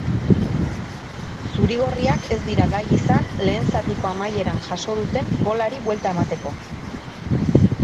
Zuri-gorriak ez dira gai izan lehen zatiko amaieran jaso duten golari buelta emateko.